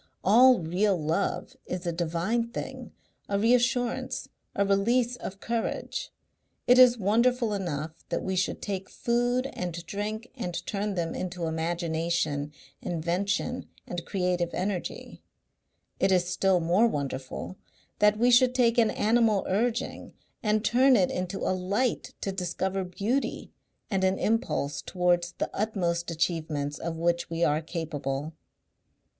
All real love is a divine thing, a reassurance, a release of courage. It is wonderful enough that we should take food and drink and turn them into imagination, invention and creative energy; it is still more wonderful that we should take an animal urging and turn it into a light to discover beauty and an impulse towards the utmost achievements of which we are capable.